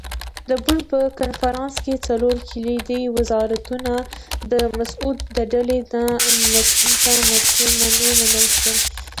د بُن په کنفرانس کې څلور کلیدي وزارتونه د مسعود ډلې ته ومنل شول.